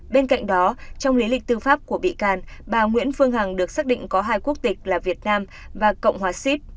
bên cạnh đó trong lý lịch tư pháp của bị can bà nguyễn phương hằng được xác định có hai quốc tịch là việt nam và cộng hòa sip